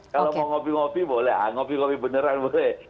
kalau mau ngopi ngopi boleh ngopi ngopi beneran boleh